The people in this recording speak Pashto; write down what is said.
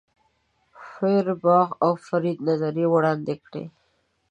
فوئرباخ او فروید نظریې وړاندې کړې.